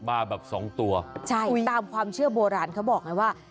มาแบบสองตัวใช่ตามความเชื่อโบราณเขาบอกไงว่า